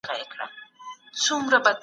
حکومت ته باید غاړه کېږدئ.